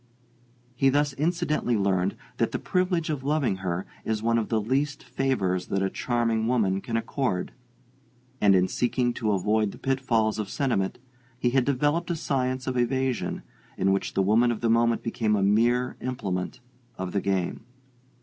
He thus incidentally learned that the privilege of loving her is one of the least favors that a charming woman can accord; and in seeking to avoid the pitfalls of sentiment he had developed a science of evasion in which the woman of the moment became a mere implement of the game.